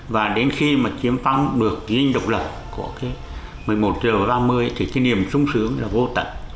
và đến khi mà chiếm phong được dinh độc lập của cái một mươi một h ba mươi thì cái niềm sung sướng là vô tận